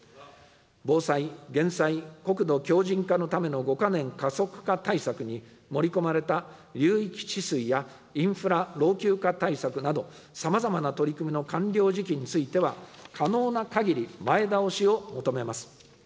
防災・減災、国土強じん化のための５か年加速化対策に盛り込まれた流域治水やインフラ老朽化対策など、さまざまな取り組みの完了時期については、可能なかぎり前倒しを求めます。